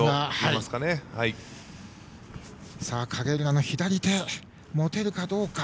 影浦の左手持てるかどうか。